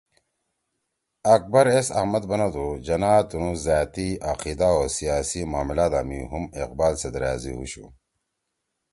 اکبر ایس احمد بندُو جناح تنُو زأتی عقیدہ او سیاسی معملادا می ہُم اقبال سیت رأضی ہُوشُو